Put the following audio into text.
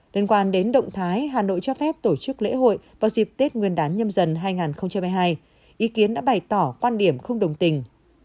liên quan đến động thái hà nội cho phép tổ chức lễ hội vào dịp tết nguyên đán nhâm dần hai nghìn hai mươi hai ý kiến đã bày tỏ quan điểm không đồng tình